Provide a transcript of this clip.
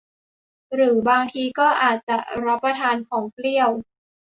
หรือบางทีก็อาจจะอยากรับประทานของเปรี้ยว